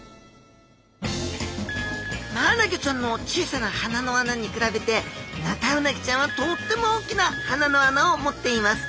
マアナゴちゃんの小さな鼻の穴に比べてヌタウナギちゃんはとっても大きな鼻の穴を持っています。